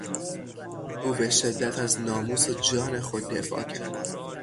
او بشدت از ناموس و جان خود دفاع کرد.